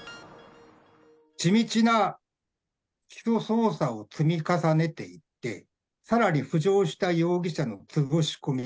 地道な捜査を積み重ねていって、さらに浮上した容疑者の潰し込み。